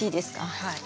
はい。